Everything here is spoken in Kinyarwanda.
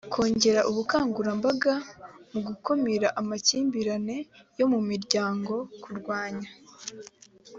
kongera ubukangurambaga mu gukumira amakimbirane yo mu miryango kurwanya